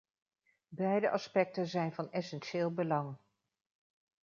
Beide aspecten zijn van essentieel belang.